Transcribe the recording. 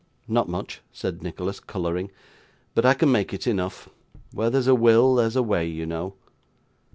'Not much,' said Nicholas, colouring, 'but I can make it enough. Where there's a will, there's a way, you know.